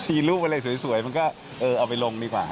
รูปอะไรสวยมันก็เออเอาไปลงดีกว่า